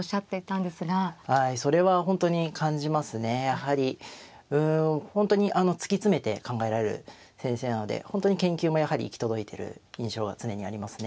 やはり本当にあの突き詰めて考えられる先生なので本当に研究もやはり行き届いてる印象が常にありますね。